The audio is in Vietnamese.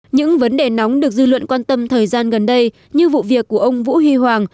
những vấn đề nóng được dư luận quan tâm thời gian gần đây như vụ việc của ông vũ huy hoàng